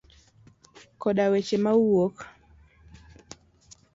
Koda weche mawuok.